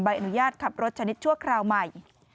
อนุญาตขับรถชนิดชั่วคราวใหม่